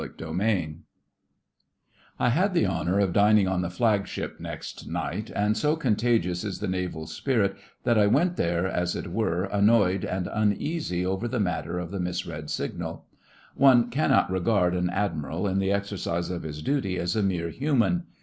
CHAPTER VI I had the honour of dining on the Flagship next night, and so contagious is the naval spirit that I went there, as it were, annoyed and uneasy over the matter of the misread signal. One cannot regard an Admiral in the exercise of his duty as a mere human.